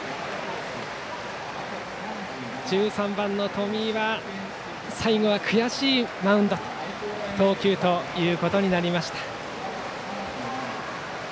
１３番、冨井は最後、悔しいマウンド投球ということになりました。